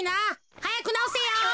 はやくなおせよ。